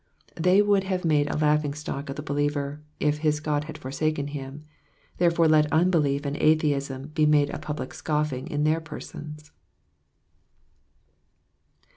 They would have made a laughing stock of the believer, if his God had for saken him ; therefore, let unbelief and atheism be made a public scoffing in their persons.